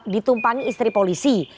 ditumpangi istri polisi